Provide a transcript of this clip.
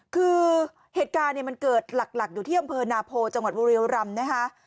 คือเหตุการณ์เนี่ยมันเกิดหลักอยู่ที่อำเภอนาโพจังหวัดบุรียรำนะคะ